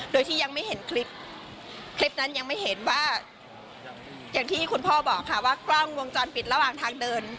โดยที่ยังไม่เห็นคลิปคลิปนั้นยังไม่เห็นว่าอย่างที่คุณพ่อบอกค่ะว่ากล้องวงจรปิดระหว่างทางเดิน